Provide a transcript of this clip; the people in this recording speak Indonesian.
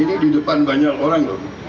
ini di depan banyak orang loh